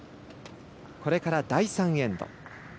これから第３エンド。